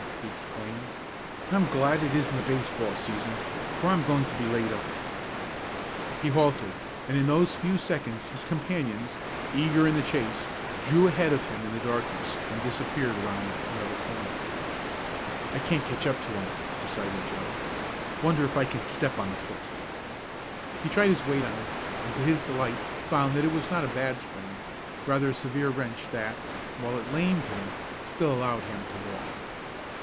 he exclaimed. "I'm glad it isn't the baseball season, for I'm going to be laid up." He halted, and in those few seconds his companions, eager in the chase, drew ahead of him in the darkness, and disappeared around another corner. "I can't catch up to 'em," decided Joe. "Wonder if I can step on the foot?" He tried his weight on it, and to his delight found that it was not a bad sprain, rather a severe wrench that, while it lamed him, still allowed him to walk.